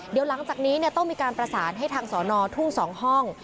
เดี๋ยวหลังจากนี้ต้องมีการประสานให้ทางสอนอทุ่ง๒ห้อง